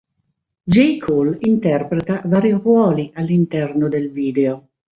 J. Cole interpreta vari ruoli all'interno del video.